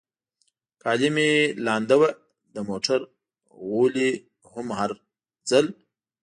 کالي مې لوند و، د موټر غولی هم هر ځل.